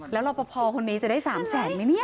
แล้วรอปภคนนี้จะได้๑๕๐๐๐๐๐บาทมั้ยเนี่ย